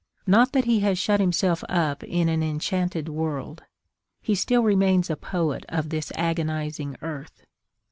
Not that he has shut himself up in an enchanted world: he still remains a poet of this agonizing earth.